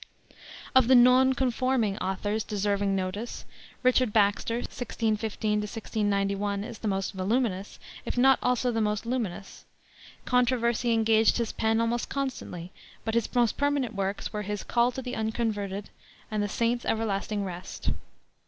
Of the Non conforming authors deserving notice Richard Baxter (1615 1691) is the most voluminous, if not also the most luminous. Controversy engaged his pen almost constantly, but his most permanent works were his Call to the Unconverted and The Saints' Everlasting Rest.